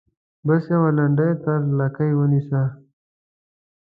بس یوه لنډۍ تر لکۍ ونیسو.